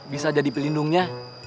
bisa jadi pelindungnya